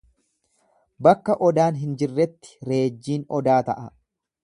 Bakka Odaan hin jirretti reejjiin Odaa ta'a.